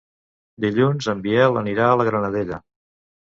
Dilluns en Biel anirà a la Granadella.